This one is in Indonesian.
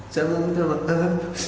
saya mau meminta maaf